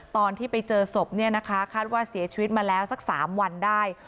ตอนที่ไปเจอศพเนี่ยนะคะคาดว่าเสียชีวิตมาแล้วสัก๓วันได้